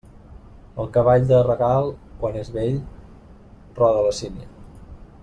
El cavall de regal, quan és vell, roda la sínia.